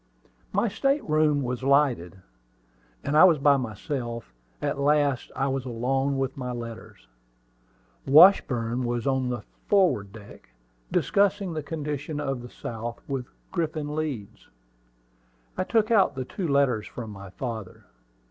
My state room was lighted, and I was by myself. At last I was alone with my letters. Washburn was on the forward deck, discussing the condition of the South with Griffin Leeds. I took out the two letters from my father.